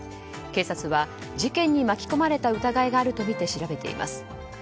警察は事件に巻き込まれた疑いがあるとみて調べています。